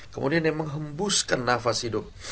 kemudian dia menghembuskan nafas hidup